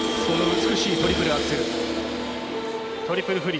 その美しいトリプルアクセル。